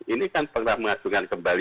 ini kan pernah mengadukan kembali